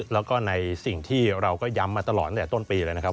แล้วก็ในสิ่งที่เราก็ย้ำมาตลอดตั้งแต่ต้นปีเลยนะครับ